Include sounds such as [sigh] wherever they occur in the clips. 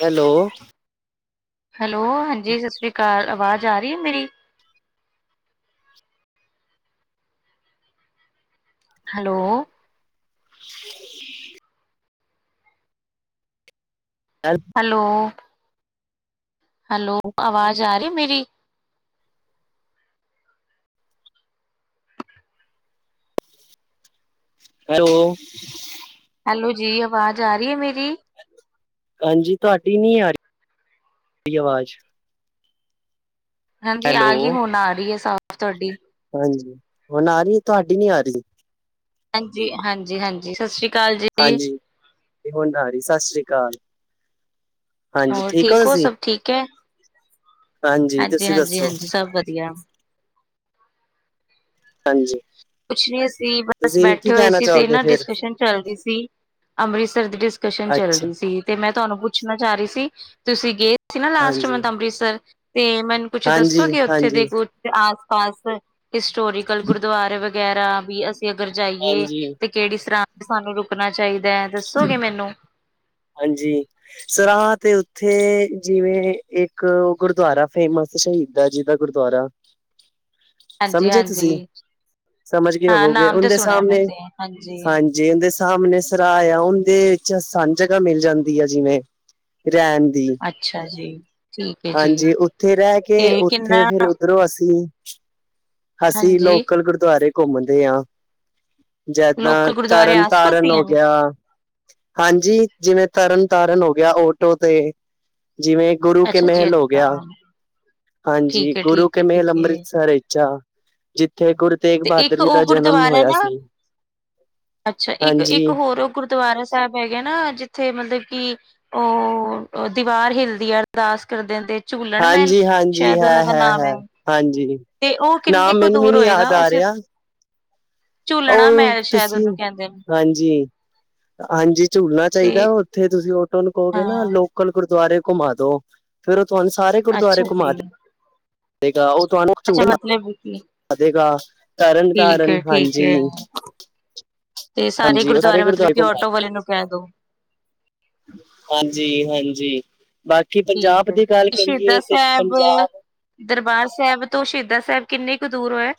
Hello. Hello ਹਾਂਜੀ, ਸਤਿ ਸ੍ਰੀ ਅਕਾਲ, ਆਵਾਜ਼ ਆ ਰਹੀ ਹੈ, ਮੇਰੀ? ਹੈਲੋ। ਹੈਲ ਹੈਲੋ। ਹੈਲੋ, ਆਵਾਜ਼ ਆ ਰਹੀ ਮੇਰੀ। ਹੈਲੋ। ਹੈਲੋ ਜੀ, ਆਵਾਜ਼ ਆ ਰਹੀ ਐ ਮੇਰੀ? ਹਾਂਜੀ, ਤੁਹਾਡੀ ਨੀ, ਆ ਰਹੀ ਆਵਾਜ਼। ਹਾਂਜੀ ਹੈਲੋ। ਆ ਗਈ, ਹੁਣ ਆ ਰਹੀ ਹੈ, ਸਾਫ਼ ਤੁਹਾਡੀ। ਹਾਂਜੀ, ਹੁਣ ਆ ਰਹੀ, ਤੁਹਾਡੀ ਨੀ ਆ ਰਹੀ। ਹਾਂਜੀ -ਹਾਂਜੀ, ਹਾਂਜੀ, ਸਤਿ ਸ੍ਰੀ ਕਾਲ। ਹਾਂਜੀ ਤੇ, ਹੁਣ ਆ ਰਹੀ, ਸਤਿ ਸ਼੍ਰੀ ਕਾਲ। ਹਾਂਜੀ, ਹੋਰ ਠੀਕ ਹੋ ਤੁਸੀਂ, ਸਭ ਠੀਕ ਹੈ ਹਾਂਜੀ ਤੁਸੀਂ ਹਾਂਜੀ ਦੱਸੋ? ਹਾਂਜੀ ਸਭ ਵਧੀਆ ਹਾਂਜੀ ਕੁਛ ਨੀ ਸੀ, ਬਸ ਤੁਸੀਂ ਕੀ ਬੈਠੇ ਹੋਏ ਕਹਿਣਾ ਸੀ, ਤੇ ਚਾਹੋਗੇ ਨਾ ਫੇਰ? ਡਿਸਕਸ਼ਨ ਚੱਲਦੀ ਸੀ ਅੰਮ੍ਰਿਤਸਰ ਦੀ, ਡਿਸਕਸ਼ਨ ਚੱਲ ਅੱਛਾ, ਰਹੀ ਸੀ। ਤੇ ਮੈਂ ਤੁਹਾਨੂੰ ਪੁੱਛਣਾ ਚਾਹ ਰਹੀ ਸੀ, ਤੁਸੀਂ ਗਏ ਸੀ ਨਾ ਲਾਸਟ ਹਾਂਜੀ, ਮੰਥ, ਅੰਮ੍ਰਿਤਸਰ ਤੇ ਮੈਨੂੰ ਕੁੱਛ, ਹਾਂਜੀ, ਦੱਸੋਗੇ, ਉੱਥੇ ਦੇ ਹਾਂਜੀ, ਆਸ -ਪਾਸ, ਹਿਸਟੋਰੀਕਲ, ਗੁਰਦੁਆਰੇ ਵਗੈਰਾ ਵੀ, ਅਸੀਂ ਅਗਰ ਜਾਈਏ ਹਾਂਜੀ, ਤੇ ਕਿਹੜੀ ਸਰਾਂ ਚ, ਸਾਨੂੰ ਰੁਕਣਾ ਚਾਹੀਦਾ ਐ? ਦੱਸੋਗੇ, ਮੈਨੂੰ? ਹਾਂਜੀ, ਸਰਾ ਤੇ, ਉੱਥੇ ਜਿਵੇਂ ਇੱਕ ਗੁਰਦੁਆਰਾ ਫੇਮਸ। ਸ਼ਹੀਦਾ, ਜੀ ਦਾ ਗੁਰਦੁਆਰਾ ਹਾਂਜੀ ਸਮਝੇ ਹਾਂਜੀ ਤੁਸੀਂ, ਸਮਝ ਗੇ ਹਾਂ ਹੋਵੋਗੇ, ਨਾਮ ਤੇ ਉਹਦੇ ਸੁਣਿਆ ਮੈਂ ਸਾਹਮਣੇ ਤੇ ਹਾਂਜੀ ਜੇ ਉਹਦੇ, ਸਾਹਮਣੇ ਸਰਾ ਆ, ਉਹਦੇ ਵਿੱਚ, ਆਸਾਨ ਜਗ੍ਹਾ ਮਿਲ ਜਾਂਦੀ ਆ, ਜਿਵੇਂ ਰਹਿਨ ਦੀ, ਅੱਛਾ ਜੀ ਠੀਕ ਹੈ ਜੀ ਹਾਂਜੀ, ਉੱਥੇ ਰਹਿ ਕੇ, ਤੇ ਉੱਥੇ ਕਿੰਨਾ ਫਿਰ ਉਧਰੋਂ, ਅਸੀਂ ਅਸੀਂ ਹਾਂਜੀ ਲੋਕਲ, ਗੁਰਦੁਆਰੇ ਘੁੰਮਦੇ ਆ। ਜਿੱਦਾਂ, ਲੋਕਲ ਗੁਰਦੁਆਰੇ ਤਰਨ- ਆਸ ਪਾਸ ਤਾਰਨ ਹੀ ਹੋ ਹਨ ਗਿਆ ਹਾਂਜੀ, ਜਿਵੇਂ ਤਰਨ- ਤਾਰਨ ਹੋ ਗਿਆ, ਓਟੋ ਤੇ ਜਿਵੇਂ ਗੁਰੂ ਕੇ ਅੱਛਾ ਜੀ ਮਹਿਲ ਹੋ ਅੱਛਾ ਗਿਆ, ਹਾਂਜੀ, ਠੀਕ ਹੈ ਗੁਰੂ ਠੀਕ ਕੇ ਹੈ ਠੀਕ ਮਹਿਲ ਹੈ ਅੰਮ੍ਰਿਤਸਰ ਵਿੱਚ ਆ ਜਿੱਥੇ, ਗੁਰ। ਤੇ, ਇੱਕ, ਉਹ ਗੁਰਦੁਆਰਾ ਨਾ, ਅੱਛਾ ਇੱਕ ਹਾਂਜੀ -ਇੱਕ ਹੋਰ ਗ। ਗੁਰਦੁਆਰਾ ਸਾਹਿਬ, ਹੈਗੇ, ਨਾ ਜਿੱਥੇ ਮਤਲਬ ਕਿ। ਉਹ ਦੀਵਾਰ ਹਿਲਦੀ ਆ, ਅਰਦਾਸ ਕਰਦਿਆਂ ਤੇ ਝੂਲਣ ਮੈਂਹਲ ਹਾਂਜੀ ਹਾਂਜੀ ਸ਼ਾਇਦ ਉਹਨਾਂ ਹੈ ਦਾ ਹੈ ਨਾਮ ਐ। ਹੈ ਹਾਂਜੀ ਤੇ ਉਹ, ਕਿੰਨਨੀ ਨਾਮ ਕੁ ਮੈਨੂੰ ਵੀ ਦੂਰ ਨੀ ਹੋਏਗਾ ਯਾਦ ਆ ਅਸੀਂ ਰਿਹਾ ਝੂਲਣਾ ਉਹ, ਮਹਿਲ ਸ਼ਾਇਦ ਤੁਸੀਂ ਉਹਨੂੰ ਕਹਿੰਦੇ ਨੇ ਹਾਂਜੀ ਹਾਂਜੀ ਝੂਲਣਾ ਤੇ ਚਾਈਦਾ ਹੋਰ। ਉੱਥੇ ਤੁਸੀਂ ਔਟੋ ਨੂੰ ਕਹੋਗੇ ਨਾ ਹਾਂ ਲੋਕਲ ਗੁਰਦੁਆਰੇ ਘੁੰਮਾ ਦੋ ਫੇਰ ਓ ਤੁਹਾਨੂੰ ਸਾਰੇ ਗੁਰਦੁਆਰੇ ਅੱਛਾ ਘੁੰਮਾ ਜੀ ਦੇਗਾ ਉਹ ਤੁਹਾਨੂੰ ਅੱਛਾ, ਮਤਲਬ ਵਧੇਗ ਤਰਨ ਠੀਕ -ਤਾਰਨ ਹੈ ਠੀਕ ਹੈ ਹਾਂਜੀ। ਤੇ ਸਾਰੇ ਹਾਂਜੀ ਉਹ ਗੁਰਦੁਆਰੇ ਮਤਲਬ ਕਿ ਘੁਮਾ ਔਟੋ ਵਾਲੇ ਨੂੰ ਕਹਿ ਦੋ ਹਾਂਜੀ -ਹਾਂਜੀ ਬਾਕੀ ਠੀਕ ਪੰਜਾਬ ਹੈ ਦੀ ਗੱਲ ਜੀ ਸ਼ਹੀਦਾ ਕਰੀਏ ਤੇ ਸਾਹਿਬ ਪੰਜਾਬ ਦਰਬਾਰ ਸਾਹੇਬ ਤੋਂ ਸ਼ਹੀਦਾ ਸਾਹੇਬ ਕਿੰਨੀ ਕੁ ਦੂਰ ਹੈ?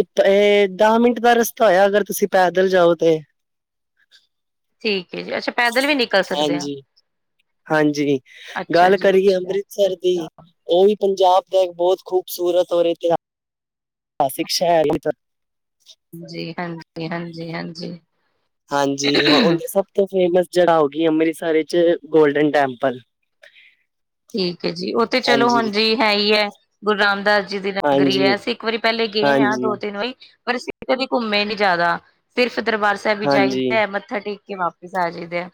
ਇਤਰੇ, ਦਸ ਮਿੰਟ ਦਾ ਰਸਤਾ ਹੋਇਆ ਅਗਰ ਤੁਸੀਂ ਪੈਦਲ ਜਾਓਗੇ। ਠੀਕ ਏ ਜੀ, ਅੱਛਾ ਪੈਦਲ ਵੀ ਨਿਕਲ ਸਕਦੇ ਆ ਹਾਂਜੀ- ਹਾਂਜੀ ਅੱਛਾ ਗੱਲ ਜੀ ਕਰੀਏ ਅੱਛਾ ਅੰਮ੍ਰਿਤਸਰ ਅੱਛਾ ਦੀ ਓ ਵੀ ਪੰਜਾਬ ਦਾ ਇੱਕ ਬੋਤ ਖੂਬਸੂਰਤ ਔਰ ਇਤਿ ਇਤਿਹਾਸਿਕ ਸ਼ੈਰ ਏ ਏਧਰ। ਜੀ ਹਾਂਜੀ -ਹਾਂਜੀ -ਹਾਂਜੀ। ਹਾਂਜੀ ਹ ਹੁਦੀ ਠੀਕ ਸਭ ਤੋਂ ਫੇਮਸ ਜਗਾ ਹੋਓਗੀ, ਅੰਮ੍ਰਿਤਸਰ ਵਿੱਚ ਗੋਲਡਨ ਟੈਂਪਲ। ਠੀਕ ਹੈ ਜੀ, ਓ ਤੇ ਚਲੋ ਹਾਂਜੀ ਹੁਣ ਜੀ ਹੈ ਈ ਆ, ਗੁਰੂ ਰਾਮਦਾਸ ਜੀ ਦੀ ਨਗਰੀ ਹਾਂਜੀ ਏ, ਅਸੀਂ ਇੱਕ ਵਾਰੀ ਪੇਲੇ ਗਏ ਆ, ਹਾਂਜੀ ਦੋ ਤਿੰਨ ਵਾਰੀ ਪਰ ਅਸੀ ਕਦੇ ਘੁੰਮੇ ਨੀ ਜ਼ਿਆਦਾ, ਸਿਰਫ਼ ਦਰਬਾਰ ਸਾਹਿਬ ਹੀ ਹਾਂਜੀ ਜਾਈਦਾ ਹੈ ਮੱਥਾ ਟੇਕ ਕੇ ਵਾਪਿਸ ਆ ਜਾਈਦਾ ਆ।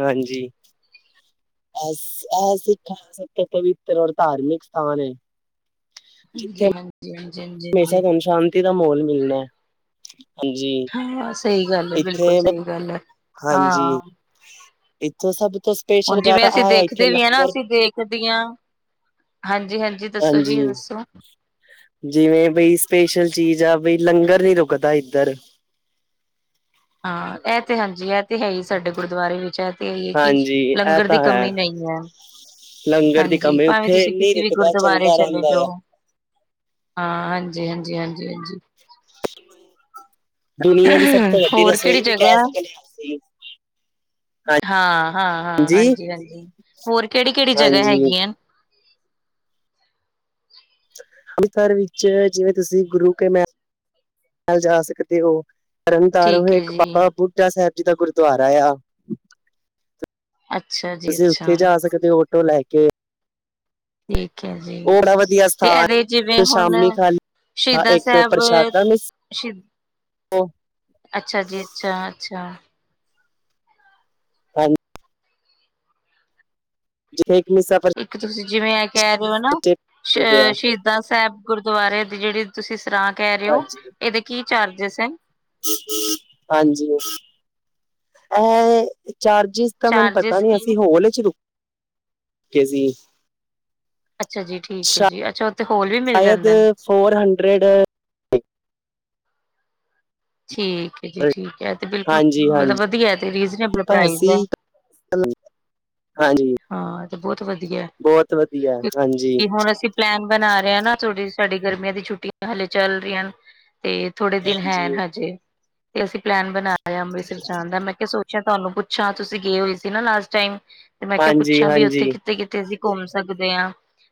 ਹਾਂਜੀ। ਇਹ ਸਿੱਖ ਸਿੱ ਪਵਿੱਤਰ ਔਰ ਧਾਰਮਿਕ ਸਥਾਨ ਹੈ। ਜਿੱਥੇ ਹਾਂਜੀ -ਹਾਂਜੀ, ਹਾਂਜੀ -ਹਾਂਜੀ। ਹਮੇਸ਼ਾ ਹਾਂਜੀ ਧਨ- ਸ਼ਾਂਤੀ ਦਾ ਮਾਹੌਲ ਮਿਲਣਾ ਹੈ। ਹਾਂਜੀ, ਹਾਂ ਸਹੀ ਗੱਲ ਹੈ ਬਿਲਕੁਲ ਇੱਥੇ ਸਹੀ ਗੱਲ ਹੈ ਹਾਂ ਹਾਂਜੀ। ਇੱਥੋਂ ਸਭ ਤੋਂ ਸਪੈਸ਼ਲ ਹੁਣ ਗੱਲ ਜਿਵੇਂ ਅਸੀਂ ਆ ਇੱਥੇ ਦੇਖਦੇ ਵੀ ਹ ਨਾ ਲੰਗਰ ਅਸੀਂ ਦੇਖਦੇ ਹਾਂ, ਹਾਂਜੀ- ਹਾਂਜੀ। ਦੱਸੋ ਹਾਂਜੀ। ਜੀ ਦੱਸੋ ਜਿਵੇਂ ਬਈ ਸਪੈਸ਼ਲ ਚੀਜ਼ ਆ ਬਈ ਲੰਗਰ ਨੀ ਰੁਕਦਾ ਇੱਧ। ਰ ਹਾਂ ਇਹ ਤੇ ਹਾਂਜੀ ਇਹ ਤੇ ਹੈ ਹੀ ਸਾਡੇ ਗੁਰਦੁਆਰੇ ਵਿੱਚ ਇਹ ਤੇ ਹੈ ਹੀ ਹੈ ਕਿ ਹਾਂਜੀ ਇਹ ਲੰਗਰ ਦੀ ਤਾਂ ਹੈ ਕਮੀ ਨਈ। ਨਹੀਂ ਹੈ। ਲੰਗਰ ਦੀ ਹਾਂਜੀ, ਕਮੀ ਭਾਵੇਂ ਉੱਥੇ ਤੁਸੀਂ ਨਹੀਂ ਕਿਸੇ ਵੀ ਰੁਕਦਾ ਗੁਰਦੁਆਰੇ ਚੱਲਦਾ ਚਲੇ ਰਹਿੰਦਾ ਆ ਜਾਓ। ਹਾਂ, ਹਾਂਜੀ- ਹਾਂਜੀ, ਹਾਂਜੀ -ਹਾਂਜੀ ਦੁਨੀਆਂ ਦੀ ਸਭ ਤੋਂ ਵੱਡੀ ਹੋਰ ਕਿਹੜੀ ਰਸੋਈ ਵੀ ਜਗ੍ਹਾ ਕਹਿ ਆ? ਸਕਦੇ ਹਾਂ ਅਸੀਂ ਹਾਂ, ਹਾਂ, ਹਾਂ, ਹਾਂਜੀ -ਹਾਂਜੀ, ਹੋਰ ਕਿਹੜੀ ਕਿਹੜੀ ਜਗ੍ਹਾ ਹਾਂਜੀ ਹੈਗੀਆਂ? ਅੰਮ੍ਰਿਤਸਰ ਵਿੱਚ ਜਿਵੇਂ ਤੁਸੀਂ ਗੁਰੂ ਕੇ ਮ ਜਾ ਸਕਦੇ ਹੋ। ਤਰਨਤਾਰ ਠੀਕ ਹੈ ਇੱਕ ਜੀ ਬਾਬਾ ਬੁਢਾ ਸਾਹਿਬ ਜੀ ਦਾ ਗੁਰਦੁਆਰਾ ਆ ਅੱਛਾ ਜੀ ਤੁਸੀਂ ਅੱਛਾ ਉੱਥੇ ਜਾ ਸਕਦੇ ਹੋ ਆਟੋ ਲੈ ਕੇ। ਠੀਕ ਹੈ ਜੀ, ਉਹ ਬੜਾ ਵਧੀਆ ਤੇ ਸਥਾਨ ਇਹਦੇ ਜਿਵੇਂ ਹੁਣ ਸ਼ਾਮੀ ਖਾਲੀ ਸ਼ਹੀਦਾ ਇੱਕ ਸਾਹਿਬ, ਪ੍ਰਸ਼ਾਦਾ ਮਿਸ ਸ਼ ਅੱਛਾ ਜੀ, ਅੱਛਾ -ਅੱਛਾ। ਕਰਨਨ ਜਿੱਥੇ ਇੱਕ ਸਫ਼ਰ। ਇੱਕ ਤੁਸੀਂ ਜਿਵੇਂ ਇਹ ਕਹਿ ਰਹੇ ਹੋ ਨਾ ਮਿਲਦੇ ਆ ਸ਼ਹੀਦਾਂ ਸਾਹਿਬ ਗੁਰਦੁਆਰੇ ਦੀ ਜਿਹੜੀ। ਤੁਸੀਂ ਸਰਾਂ ਕਹਿ ਰਹੇ ਹੋ ਹਾਂਜੀ ਇਹਦੇ ਕੀ ਚਾਰਜਿਸ ਏ? ਹਾਂਜੀ, ਇਹ ਚਾਰਜਿਸ ਤਾਂ ਮੈਨੂੰ ਪਤਾ ਚਾਰਜਿਸ ਨੀ ਕੀ ਅਸੀ ਹੌਲ 'ਚ ਰੁਕੇ ਸੀ। ਅੱਛਾ ਜੀ, ਠੀਕ ਸ਼ਾ ਹੈ ਜੀ, ਅੱਛਾ ਉੱਥੇ ਹੋਰ ਵੀ ਮਿਲ ਜਾਂਦੇ ਨੇ। ਰੇਡਰ ਠੀਕ ਐ ਜੀ ਠੀਕ ਐ ਤੇ ਬਿਲਕੁਲ ਹਾਂਜੀ ਹਾਂਜੀ ਮਤਲਬ ਵਦੀਐ ਤੇ ਰੀਜਨੇਬਲ ਪਰ ਪ੍ਰਾਈਜ਼ ਐ। ਅਸੀਂ ਹਾਂਜੀ, ਹਾਂ ਤੇ ਬਹੁਤ ਵਧੀਆ ਬੋਤ ਵਦੀਆ ਹਾਂਜੀ ਕਿ ਹੁਣ ਅਸੀਂ ਪਲੈਨ ਬਨਾ ਰਏਂ ਆਂ ਨਾ ਥੋੜੀ ਜੀ ਸਾਡੀ ਗਰਮੀਆਂ ਦੀ ਛੁੱਟੀਆਂ ਹਲੇ ਚੱਲ ਰਈਆਂ ਨੇ ਤੇ ਥੋੜੇ ਦਿਨ ਹਾਂਜੀ ਹੈਨ ਹਜੇ, ਤੇ ਅਸੀਂ ਪਲੈਨ ਬਨਾ ਰਏਂ ਆਂ ਅੰਮ੍ਰਿਤਸਰ ਜਾਨ ਦਾ ਮੈਂ ਕਿਆ ਸੋਚ ਅੱਛਾ ਤਾਨੂੰ ਪੁੱਛਾਂ ਤੁਸੀਂ ਗਏ ਹੋਏ ਸੀ ਨਾ ਲਾਸਟ ਟਾਈਮ, ਤੇ ਮੈਂ ਕਿਆ ਹਾਂਜੀ ਪੁੱਛਾਂ ਵੀ ਹਾਂਜੀ ਓਥੇ ਕਿੱਥੇ-ਕਿੱਥੇ ਸੀ ਘੁੰਮ ਸਕਦੇ ਆਂ,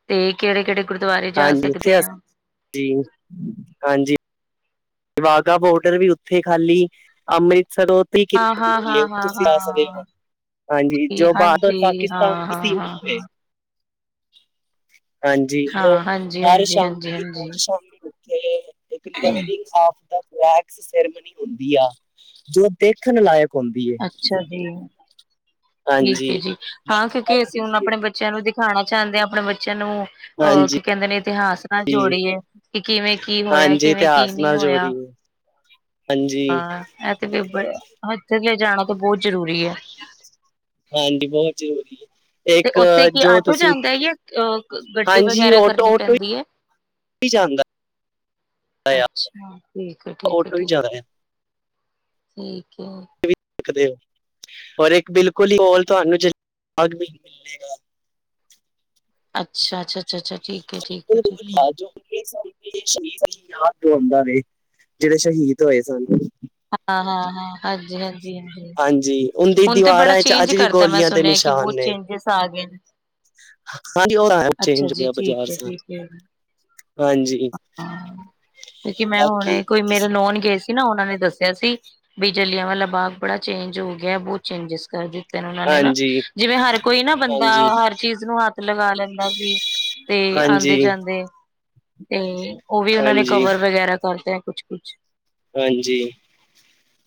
ਤੇ ਕੇੜੇ-ਕੇੜੇ ਗੁਰਦੁਆਰੇ ਜਾ ਸਕਦੇ ਆਂ। ਜੀ, ਹਾਂਜੀ। ਵਾਘਾ ਬੋਡਰ ਵੀ ਓਥੇ ਖਾਲੀ ਅੰਮ੍ਰਿਤਸਰ ਤੀਅ ਕੀ ਹਾਂ ਮਿੰਟ ਦੀ ਹਾਂ ਦੂਰੀ ਏ, ਹਾਂ ਤੁਸੀਂ ਹਾਂ ਆ ਸਕਦੇ ਓਂ। ਹਾਂ ਹਾਂਜੀ ਜੀ, ਜੋ ਬਾਡਰ ਹਾਂਜੀ ਪਾਕਿਸਤਾਨ ਹਾਂ ਦੀ ਹਾਂ ਹਾਂ ਸੀਮਾ ਹੋਵੇ। ਹਾਂ ਹਾਂਜੀ ਓ ਹਾਂ ਹਾਂਜੀ ਹਰ ਹਾਂਜੀ ਹਾਂਜੀ ਸ਼ਾਮੀ ਹਾਂਜੀ ਰੋਜ਼ ਸ਼ਾਮੀ ਕੇ ਇੱਕ lowering of the flags ceremony ਹੁੰਦੀ ਆ ਜੋ ਦੇਖਨ ਲਾਇਕ ਹੁੰਦੀ ਹੈ ਅੱਛਾ ਜੀ, ਠੀਕ ਹਾਂਜੀ ਐ ਜੀ ਹਾਂ ਦੇਖਣ ਕਿਓਂਕਿ ਲਾਇਕ ਅਸੀਂ ਹੁਨ ਹੁੰਦੀ ਹੈ ਆਪਨੇ ਬੱ ਚਲੋ ਦਿਖਾਨਾ ਚਾਂਦੇ ਆਂ ਆਪਨੇ ਬੱਚਿਆਂ ਨੂੰ ਅਹ ਹਾਂਜੀ, ਕੀ ਕੈਂਦੇ ਨੇ ਇਤਿਹਾਸ ਨਾਲ ਜੋੜੀਏ, ਕੇ ਕਿਵੇਂ ਕੀ ਹੋਇਆ ਹਾਂਜੀ ਕਿਵੇਂ ਕੀ ਇਤਿਹਾਸ ਨਈਂ ਨਾਲ ਹੋਇਆ। ਜੋੜੀਏ ਹਾਂਜੀ। ਹਾਂ ਐ ਤੇ ਵੀ ਬਿਬ ਐ, ਏਥੇ ਲੇ ਜਾਨਾ ਤਾਂ ਬਹੁ ਜ਼ਰੂਰੀ ਐ। ਹਾਂਜੀ ਬੋਤ ਜ਼ਰੂਰੀ ਐ। ਤੇ ਓਥੇ ਕੀ ਆਟੋ ਜਾਂਦਾ ਐ ਜਾਂ ਅਹ ਗੱਡੀ ਵਗੈਰਾ ਕਰਨੀ ਪੈਂਦੀ ਐ। ਈ ਜਾਂਗਾ। ਅੱਛਾ ਠੀਕ ਐ ਠੀਕ ਐ ਆਟੋ ਹੀ ਠੀਕ, ਜਾਂਦਾ ਆ ਠੀਕ ਏ। ਕਦੇ ਪਰ ਇੱਕ ਬਿਲਕੁਲ ਈ ਕੌਲ ਤੁਆਨੂੰ ਜੇ [unintelligible] ਮਿਲੇਗਾ। ਅੱਛਾ-ਅੱਛਾ। ਤੇ ਬਿਲਕੁਲ [unintelligible] ਲੈ ਜੋ ਓਈ ਸਨ। ਏ ਸ਼ਹੀਦ ਦੀ ਯਾਦ ਦਿਵੌਂਦਾ ਵੇ, ਜੇੜੇ ਸ਼ਹੀਦ ਹੋਏ ਸਨ। ਹਾਂ-ਹਾਂ-ਹਾਂ, ਹਾਂਜੀ-ਹਾਂਜੀ-ਹਾਂਜੀ। ਜੀ ਓਨ ਦੀ ਦੀਵਾਰਾਂ ਵਿਚ ਅੱਜ ਵੀ ਮੈਂ ਗੋਲੀਆਂ ਦੇ ਸੁਣਿਆ ਕਿ ਨਿਸ਼ਾਨ ਬਹੁਤ ਨੇ। ਚੇਂਜਿਸ ਆ ਗਏ ਨੇ ਹਾਂਜੀ ਓ ਅੱਛਾ ਚੇਂਜ ਹੋ ਜੀ ਗੇਆ ਠੀਕ ਬਾਜ਼ਾਰ ਹੈ ਸਾਰਾ, ਠੀਕ ਹੈ ਹਾਂਜੀ। ਹਾਂ, ਕਿਓਂਕਿ ਮੈਂ ਬਾਕੀ ਹੁਨੇ ਕੋਈ ਮੇਰੇ ਤੁਸੀਂ- ਨੋਨ ਗਏ ਸੀ। ਕੀ ਨਾ ਓਨਾਂ ਨੇ ਦੱਸਿਆ ਸੀ ਵੀ ਜਲਿਆਂ ਵਾਲਾ ਬਾਗ ਬੜਾ ਚੇਂਜ ਹੋ ਗੇਆ ਬਹੁ ਚੇਂਜਿਸ ਕਰ ਦਿੱ ਫੇਰ ਓਨਾਂ ਨੇ ਨਾ ਹਾਂਜੀ, ਜਿਵੇਂ ਹਰ ਕੋਈ ਨਾ ਬੰਦਾ ਹਾਂਜੀ। ਹਰ ਚੀਜ਼ ਨੂੰ ਹੱਥ ਲਗਾ ਲੈਂਦਾ ਸੀ ਤੇ ਆਂਦੇ ਹਾਂਜੀ, ਜਾਂਦੇ ਤੇ ਓ ਵੀ ਓਨਾਂ ਨੇ ਹਾਂਜੀ, ਕਵਰ ਵਗੈਰਾ ਕਰਤਾ ਐ ਕੁਛ-ਕੁਛ। ਹਾਂਜੀ,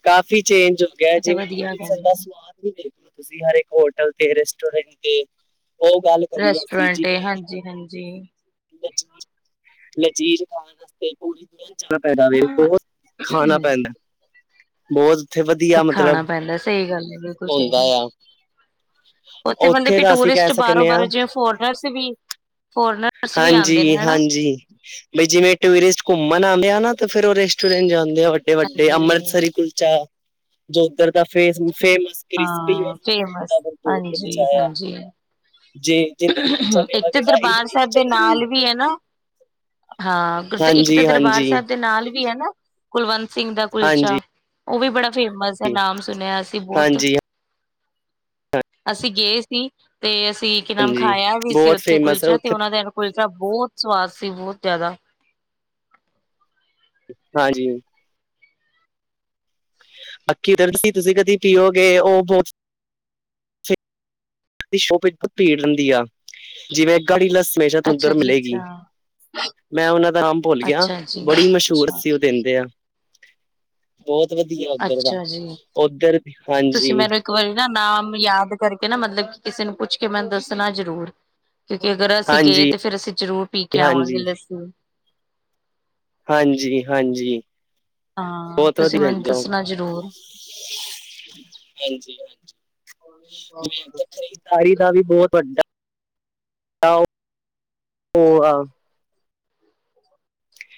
ਕਾਫੀ ਚੇਂਜ ਹੋ ਗੇਆ ਅਤੇ ਜਿਵੇਂ ਵਧੀਆ ਅੰਮ੍ਰਿਤਸਰ ਦਾ ਕਹਿੰਦੇ ਸਮਾਨ ਦੇਖ ਲੋ ਤੁਸੀਂ ਹਰੇਕ ਹੋਟਲ ਤੇ ਰੈਸਟੋਰੈਂਟ ਤੇ ਓ ਗੱਲ ਕਰੀਏ ਅਸੀਂ ਜਿਵੇਂ ਹਾਂਜੀ-ਹਾਂਜੀ। ਲਜ਼ੀਰ, ਲਜ਼ੀਰ ਖਾਨ ਵਸਤੇ ਪੂਰੀ ਦੁਨੀਆ ਜਾਨਾ ਪੈਦਾ ਵੇ, ਹਾਂ ਬੋਤ ਖਾਨਾ ਪੈਂਦਾ। ਬੋਤ ਓਥੇ ਵਦੀਆ ਮਤਲਬ, ਖਾਣਾ ਪੈਂਦਾ ਸਹੀ ਗੱਲ ਹੈ ਬਿਲਕੁਲ ਹੁੰਦਾ ਆ। ਓਥੇ ਮਤਲਬ ਉੱਥੇ ਵੀ ਦਾ ਅਸੀਂ ਕਹਿ ਟੂਰਿਸਟ ਸਕਦੇ ਹਾਂ ਬਾਰੋਂ-ਬਾਰੋਂ ਜਿਵੇਂ ਫੋਰਨਸ ਵੀ ਫੋਰਨਰਸ ਵੀ ਆਉਂਦੇ ਨੇ ਹਨਾ ਹਾਂਜੀ-ਹਾਂਜੀ। ਬਈ ਜਿਵੇਂ ਟੂਰਿਸਟ ਘੁੰਮਨ ਆਂਦੇ ਆ ਨਾ ਤਾਂ ਫਿਰ ਓ ਰੈਸਟੋਰੈਂਟ ਜਾਂਦੇ ਆ ਵੱ- ਵੱਡੇ-ਵੱਡੇ ਹਾਂਜੀ ਅੰਮ੍ਰਿਤਸਰੀ ਕੁਲਚਾ ਜੋ ਓਦਰ ਦਾ ਫੇਸ ਫੇਮਸ ਕ੍ਰਿਸਪੀ ਔਰ ਹਾਂ ਮੱਖਨ ਫੇਮਸ ਦਾ ਭਰਪੂਰ ਹਾਂਜੀ ਕੁਲਚਾ ਜੇ ਜਿਹਦੇ ਨਾਲ ਚਨੇ ਏਕ ਤੇ ਵਗੈਰਾ ਦਰਬਾਰ ਇਮਲੀ ਦੀ ਸੈਬ ਦੇ ਨਾ ਚਟਨੀ ਨਾਲ ਵੀ ਐ ਨਾ। ਹਾਂ, ਗੁਰ ਇੱਕ ਤੇ ਹਾਂਜੀ, ਦਰਬਾਰ ਹਾਂਜੀ, ਸੈਬ ਦੇ ਨਾਲ ਵੀ ਹੈ ਨਾ। ਕੁਲਵੰਤ ਸਿੰਘ ਦਾ ਹਾਂਜੀ, ਕੁਲਚਾ। ਓਵੀ ਬੜਾ ਫੇਮਸ ਐ ਨਾਮ ਸੁਨੇਆ ਅਸੀ ਬੋਤ। ਹਾਂਜੀ, ਅਸੀ ਗੇ ਸੀ ਤੇ ਅਸੀ ਕਿ ਨਾਮ ਹਾਂਜੀ ਖਾਏਆ ਵੀ ਸੀ ਬਹੁਤ ਓਥੇ ਫੇਮਸ ਹੈ ਕੁਲਚਾ ਤੇ ਉੱਥੇ ਓਨਾਂ ਦੇ ਕੁਲਚਾ ਬੋਤ ਸਵਾਦ ਸੀ ਬੋਤ ਜਾਦਾ। ਹਾਂਜੀ। ਅੱਖੀ ਉਧਰਸੀ ਤੁਸੀ ਕਦੀ ਪੀਓਗੇ ਓ ਬੋ ਦੀ ਸ਼ੋਪ ਬੋ ਭੀੜ ਰਿਂਦੀ ਆ ਜਿਵੇਂ ਗਾੜੀ ਲਸ ਹਮੇਸ਼ਾ ਤਾਨੂੰ ਅੱਛਾ ਦਰ ਜੀ ਮਿਲੇਗੀ। ਅੱਛਾ ਮੈਂ ਓਨਾਂ ਦਾ ਨਾਮ ਭੁੱਲ ਗਿਆ ਅੱਛਾ ਜੀ ਬੜੀ ਮਸ਼ਊਰ ਅੱਛਾ ਸੀ। ਦੇਂਦੇ ਆ। ਬੋਤ ਵਧੀਆ ਓਧਰ ਦਾ ਅੱਛਾ ਜੀ ਓਧਰ ਤੁਸੀਂ ਹਾਂਜੀ। ਮੈਨੂੰ ਇੱਕ ਵਾਰੀ ਨਾ ਨਾਮ ਯਾਦ ਕਰਕੇ ਨਾ ਮਤਲਬ ਕਿ ਕਿਸੇ ਨੂੰ ਪੁੱਛ ਕੇ ਮੈਨ ਦੱਸਣਾ ਜਰੂਰ। ਕਿਉਂਕਿ ਅਗਰ ਅਸੀ ਗਏ ਹਾਂਜੀ, ਤੇ ਫੇਰ ਅਸੀ ਜ਼ਰੂਰ ਪੀ ਕੇ ਆਵਾਂਗੇ ਹਾਂਜੀ, ਲੱਸੀ। ਹਾਂਜੀ ਹਾਂਜੀ। ਹਾਂ। ਬਹੁਤ ਤੁਸੀ ਵਧੀਆ ਮੈਨੂੰ ਦਿੰਦੇ ਆ ਉਹ ਦੱਸਨਾ ਜਰੂਰ। ਹਾਂਜੀ ਹਾਂਜੀ। ਮੈਂ ਤੇ ਖਰੀਦਦਾਰੀ ਦਾ ਵੀ ਬੋਤ ਵੱਡਾ ਔ ਆਂ।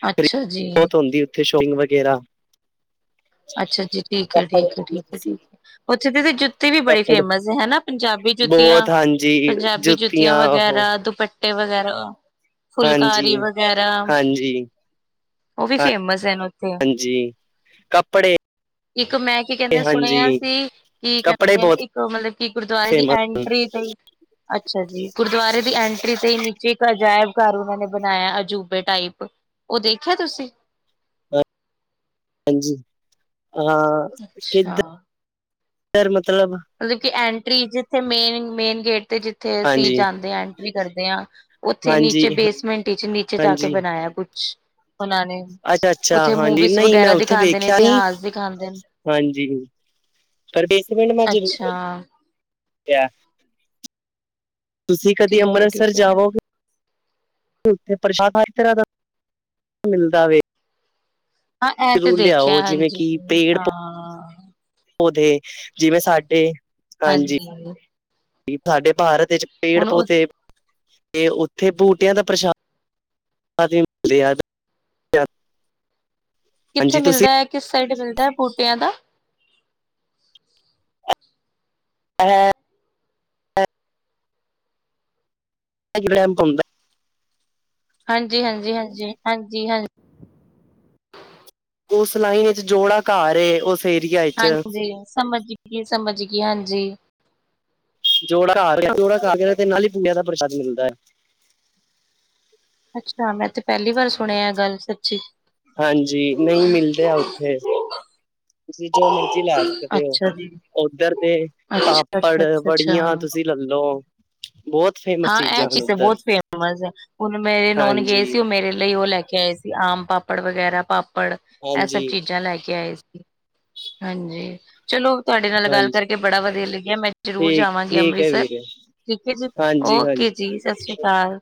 ਅੱਛਾ। ਜੀ ਬੋਤ ਹੁੰਦੀ ਉੱਥੇ ਸ਼ੋਇਗ ਵਗੈਰਾ [inaudible] ਅੱਛਾ ਜੀ ਠੀਕ ਐ, ਕੱਪੜੇ ਠੀਕ ਐ, ਲਈਏ ਠੀਕ ਐ, ਤੁਸੀਂ ਠੀਕ ਐ। ਓਥੇ ਦੀ ਤੇ ਜੁੱਤੀ ਵੀ ਬੜੀ ਕੱਪੜ ਫੇਮਸ ਐ ਹੈਨਾ। ਪੰਜਾਬੀ ਜੁੱਤੀਆਂ, ਬਹੁਤ ਹਾਂਜੀ ਪੰਜਾਬੀ ਜੁੱਤੀਆਂ ਵਗੈਰਾ, ਦੁਪੱਟੇ ਵਗੈਰਾ ਹਾਂਜੀ ਫੁਲਕਾਰੀ ਵਗੈਰਾ, ਹਾਂਜੀ ਓ ਵੀ ਫੇਮਸ ਐਨ ਓਥੇ। ਜੀ, ਕੱਪੜੇ ਇੱਕ ਮੈਂ ਕਿ ਕੇਂਦੇ ਹਾਂਜੀ ਸੁਣੇਆ ਸੀ ਕੀ ਕੱਪੜੇ ਕੈਂਦੇ ਨੇ, ਬਹੁਤ ਇੱਕ ਮਲਬ ਕਿ ਗੁਰਦੁਆਰੇ ਦੀ ਫੇਮਸ ਐਂਟਰੀ ਤੇਇ ਅੱਛਾ ਜੀ, ਗੁਰਦੁਆਰੇ ਦੀ ਐਂਟਰੀ ਤੇਇ ਨੀਚੇ ਇੱਕ ਅਜਾਇਬ ਘਰ ਓਨਾਂ ਨੇ ਬਨਾਏਆ ਅਜੂਬੇ ਟਾਈਪ। ਓ ਦੇਖੇਆ ਤੁਸੀ‌? ਹਾਂਜੀ, ਹਾਂ ਅੱਛਾ ਕਿੱਧ ਰ ਮਤਲਬ? ਮਲਬ ਕਿ ਐਂਟਰੀ ਜਿੱਥੇ ਮੇਨ, ਮੇਨ ਗੇਟ ਤੇ ਜਿੱਥੇ ਅਸੀ ਹਾਂਜੀ ਜਾਦੇ ਆਂ ਐਂਟਰੀ ਕਰਦੇ ਆਂ। ਓਥੇ ਹਾਂਜੀ ਨੀਚੇ ਬੇਸਮੈਂਟ ਇਚ ਨੀਚੇ ਜਾ ਕੇ ਹਾਂਜੀ ਬਣਾਏਆ ਕੁਛ, ਓਨਾਂ ਨੇ ਅੱਛਾ ਅੱਛਾ ਓਥੇ ਹਾਂਜੀ ਮੂਵੀਜ਼ ਨਹੀਂ ਮੈਂ ਵਗੈਰਾ ਉੱਥੇ ਦਿਖਾਂਦੇ ਨੇ ਵੇਖਿਆ ਨੀ ਇਤਿਹਾਸ ਦਿਖਾਂਦੇ ਨੇ। ਹਾਂਜੀ, ਪਰ ਬੇਸਮੈਂਟ ਮੈਂ ਜੀ ਅੱਛਾ ਤੁਸੀ ਕਦੇ ਠੀਕ ਹੈ ਅੰਮ੍ਰਤਸਰ ਠੀਕ ਹੈ ਜਾਵੋਗੇ? ਉੱਥੇ ਪਰਸ਼ ਹਰ ਤਰਾਂ ਦਾ ਮਿਲਦਾ ਵੇ। ਹਾਂ, ਐ ਤੇ ਜ਼ਰੂਰ ਲਿਆਓ ਦੇਖੈਆ ਜਿਵੇਂ ਹਾਂਜੀ ਹਾਂ। ਔਧੇ ਜਿਵੇਂ ਸਾਡੇ ਹਾਂਜੀ। ਸਾਡੇ ਭਾਰਤ ਵਿੱਚ ਹੁਣ ਉਹ ਪੇੜ-ਪੌਦੇ, ਤੇ ਓਥੇ ਬੂਟੇਆਂ ਦਾ ਪ੍ਰਸ਼ਾਦ [unintelligible] ਕਿੱਥੇ ਹਾਂਜੀ ਤੁਸੀਂ ਮਿਲਦਾ ਐ? ਕਿਸ ਸਾਈਡ ਮਿਲਦਾ ਐ ਬੂਟੇਆਂ ਦਾ? ਐ ਐ ਲੈਂਪ ਹੁੰਦਾ ਐ। ਹਾਂਜੀ-ਹਾਂਜੀ, ਹਾਂਜੀ, ਹਾਂਜੀ-ਹਾਂ। ਓਸ ਲਾਈਨ ਏਚ ਜੋੜਾ ਘਰ ਏ ਓਸ ਹਾਂਜੀ, ਸਮਝ ਗੀ, ਸਮਝ ਗੀ। ਹਾਂਜੀ। ਜੋੜਾ ਘਾਰ ਏ। ਜੋੜਾ ਘਰ ਦੇ ਨਾਲ ਈ ਬੂਟੇਆਂ ਦਾ ਪ੍ਰਸ਼ਾਦ ਮਿਲਦਾ ਐ। ਅੱਛਾ, ਮੈਂ ਤੇ ਪਹਿਲੀ ਵਾਰ ਸੁਣਿਆ ਏ ਗੱਲ ਸੱਚੀ। ਹਾਂਜੀ, ਨਈ ਮਿਲਦਾ ਏ ਉੱਥੇ, ਤੁਸੀਂ ਜੋ ਮਰਜੀ ਲੈ ਸਕਦੇ ਹੋ। ਅੱਛਾ ਜੀ ਔਧਰ ਤੇ, ਅੱਛਾ ਅੱਛਾ ਪਾਪੜ, ਅੱਛਾ ਅੱਛਾ ਬੜੀਆਂ ਤੁਸੀਂ ਲੈ ਲੋ। ਹਾਂ ਇਹ ਚੀਜ਼ ਤੇ ਬੋਤ ਫੇਮਸ ਹੈ, ਹੁਨ ਮੇਰੇ ਨੋਨ ਗਏ ਹਾਂਜੀ ਸੀ ਉ ਮੇਰੇ ਲਈ ਉਹ ਲੈ ਕੇ ਆਏ ਆਮ -ਪਾਪੜ ਵਗੈਰਾ ਪਾਪੜ, ਇਹ ਸਭ ਹਾਂਜੀ ਚੀਜ਼ਾਂ ਲੈ ਕੇ ਆਏ ਸੀ। ਹਾਂਜੀ। ਚਲੋ, ਤੁਹਾਡੇ ਨਾਲ ਗੱਲ ਹਾਂਜੀ ਕਰਕੇ ਬੜਾ ਵਧੀਆ ਲੱਗਿਆ ਮੈਂ ਜ਼ਰੂਰ ਠੀਕ ਜਾਵਾਂਗੀ ਠੀਕ ਹੈ ਅੰਮ੍ਰਿਤਸਰ, ਵੀਰੇ ਠੀਕ ਹੈ ਜੀ। ਹਾਂਜੀ ਓਕੇ ਹਾਂਜੀ ਜੀ, ਸਤਿ ਸ਼੍ਰੀ ਕਾਲ।